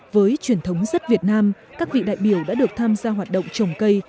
với truyền thống rất việt nam các vị đại biểu đã được tham gia hoạt động trồng cây